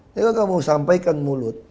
kalau kamu sampaikan mulut